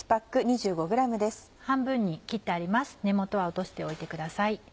根元は落としておいてください。